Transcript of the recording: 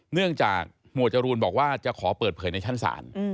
เนื่องจากหมวดจรูนบอกว่าจะขอเปิดเผยในชั้นศาล